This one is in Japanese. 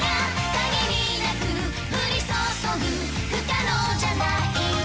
「限りなく降りそそぐ不可能じゃないわ」